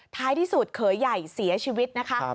ท้ายที่สุดเขยใหญ่เสียชีวิตนะคะ